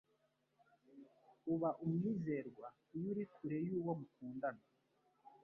Uba umwizerwa iyo uri kure y'uwo mukundana